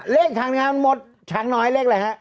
เลขทางนั้นหมดทั้งน้อยเลขไหนละฮะ